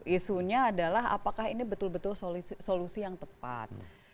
isunya adalah apakah ini betul betul solusi yang tepat